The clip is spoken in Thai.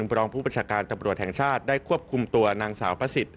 รองผู้ประชาการตำรวจแห่งชาติได้ควบคุมตัวนางสาวประสิทธิ